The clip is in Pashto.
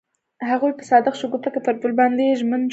هغوی په صادق شګوفه کې پر بل باندې ژمن شول.